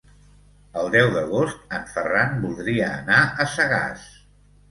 El deu d'agost en Ferran voldria anar a Sagàs.